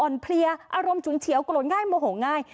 เพลียอารมณ์ฉุนเฉียวโกรธง่ายโมโหง่าย